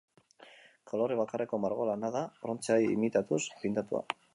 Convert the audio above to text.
Kolore bakarreko margolana da, brontzea imitatuz pintatua.